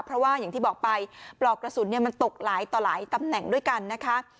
เพราะว่าอย่างที่บอกไปปลอกกระสุนมันตกหลายต่อหลายตำแหน่งด้วยกันนะคะ